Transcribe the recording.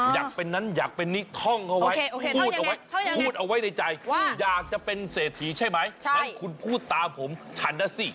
ยัมมาดีพวกคุณเตรียมมาดี